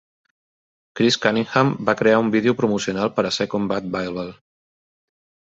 Chris Cunningham va crear un vídeo promocional per a "Second Bad Vilbel".